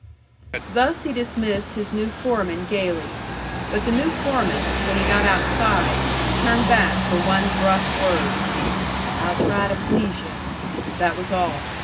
Thus he dismissed his new foreman gayly. But the new foreman, when he got outside, turned back for one gruff word, "I'll try to please yu'." That was all.